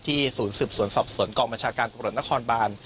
ศูนย์สืบสวนสอบสวนกองบัญชาการตำรวจนครบาน